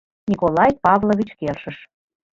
— Николай Павлович келшыш.